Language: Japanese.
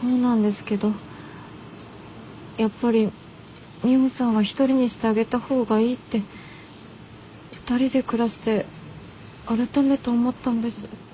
そうなんですけどやっぱりミホさんは一人にしてあげた方がいいって２人で暮らして改めて思ったんです。